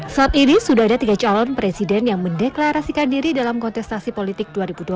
saat ini sudah ada tiga calon presiden yang mendeklarasikan diri dalam kontestasi politik dua ribu dua puluh empat